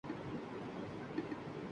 ملک تیل کے وسائل سے مالا مال ہے